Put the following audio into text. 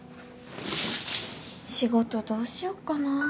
仕事どうしよっかな。